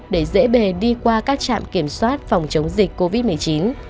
để dễ bề đi qua các trạm kiểm soát phòng chống dịch covid một mươi chín